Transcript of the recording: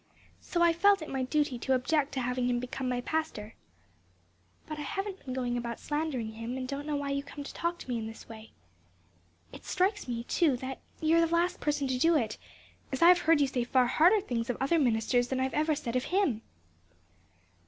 So I felt it my duty to object to having him become my pastor. But I haven't been going about slandering him, and don't know why you come and talk to me in this way. "It strikes me, too, that you are the last person to do it as I have heard you say far harder things of other ministers than ever I've said of him."